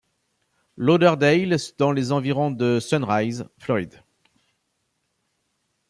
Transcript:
Lauderdale dans les environs de Sunrise, Floride.